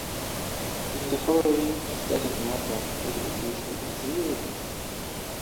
In the following, it doesn't matter which definition is used.